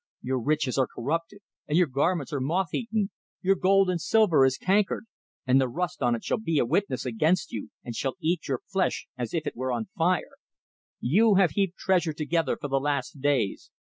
Your riches are corrupted, and your garments are moth eaten! Your gold and silver is cankered; and the rust on it shall be a witness against you, and shall eat your flesh as if it were fire. You have heaped treasure together for the last days.